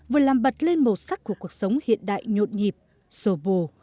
vừa làm bật lên màu sắc của cuộc sống hiện đại nhộn nhịp sổ bồ